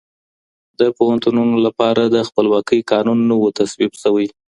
د پوهنتونونو لپاره د خپلواکۍ قانون نه و تصویب سوی.